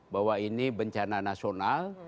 bahwa ini bencana nasional